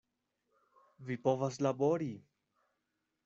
Vi povas labori!